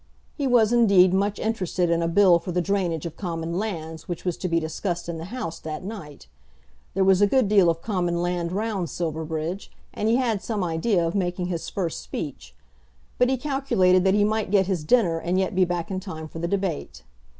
He was indeed much interested in a Bill for the drainage of common lands which was to be discussed in the House that night; there was a good deal of common land round Silverbridge, and he had some idea of making his first speech, but he calculated that he might get his dinner and yet be back in time for the debate.